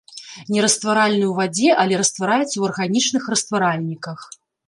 Нерастваральны ў вадзе, але раствараецца ў арганічных растваральніках.